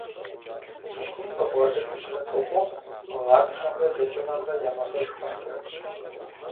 Си гум къыбгъэдэкӏыу сынывохъуэхъу Гъатхэмрэ Лэжьыгъэмрэ я махуэшхуэмкӏэ!